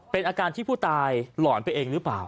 เป็นอาการที่ผู้ตายหลอนไปเองหรือเปล่า